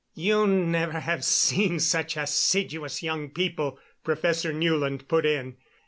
"You never have seen such assiduous young people," Professor Newland put in.